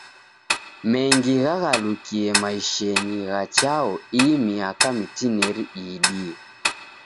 Mengi ghaghalukie maishenyi gha Chao ii miaka mitineri iidie.